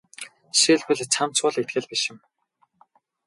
Жишээлбэл цамц бол итгэл биш юм.